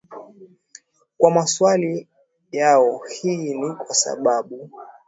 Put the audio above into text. kwa maswali yao Hii ni kwa sababu